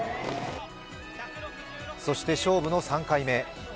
そして、勝負の３回目。